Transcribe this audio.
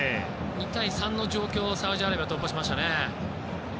２対３の状況をサウジアラビアは突破しました。